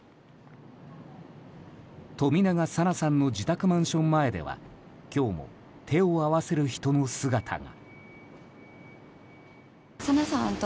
冨永紗菜さんの自宅マンション前では今日も手を合わせる人の姿が。